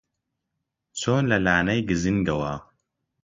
چۆن لە لانەی گزنگەوە